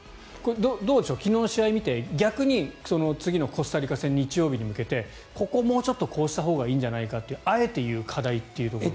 どうでしょう昨日の試合を見て逆に次のコスタリカ戦日曜日に向けてここをもうちょっとこうしたほうがいいんじゃないかとかあえて言う課題というところは？